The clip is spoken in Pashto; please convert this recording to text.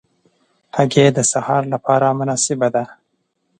هګۍ د سهار له پاره مناسبه ده.